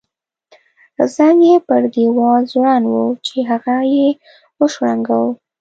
زنګ یې پر دیوال ځوړند وو چې هغه یې وشرنګاوه.